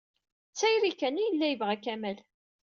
D tayri kan ay yella yebɣa Kamal.